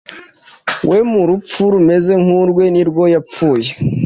we mu rupfu rumeze nk urwe nirwo yapfuye